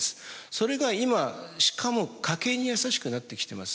それが今しかも家計にやさしくなってきています。